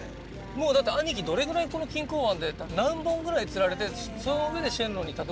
もうだって兄貴どれぐらいこの錦江湾で何本ぐらい釣られてその上で神龍にたどりついてないんですか？